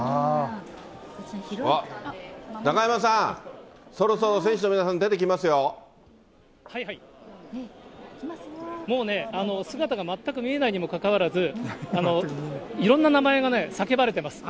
あっ、中山さん、そろそろ選はいはい。もうね、姿が全く見えないにもかかわらず、いろんな名前がね、叫ばれてます。